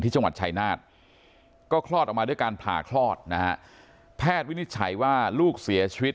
จังหวัดชายนาฏก็คลอดออกมาด้วยการผ่าคลอดนะฮะแพทย์วินิจฉัยว่าลูกเสียชีวิต